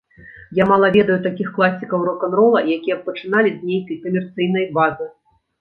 Я мала ведаю такіх класікаў рок-н-рола, якія б пачыналі з нейкай камерцыйнай базы.